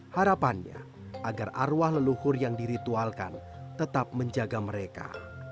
harapannya agar arwah leluhur yang diritualkan tetap menjaga mereka